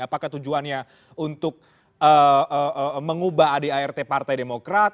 apakah tujuannya untuk mengubah adart partai demokrat